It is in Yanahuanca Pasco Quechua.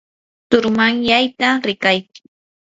turmanyayta rikay.